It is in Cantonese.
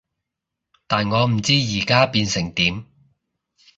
但我唔知而家變成點